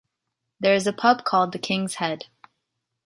There is a pub called The King's Head.